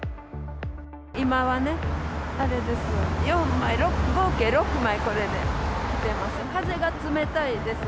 今はね、あれです、４枚、合計６枚、これで着てます。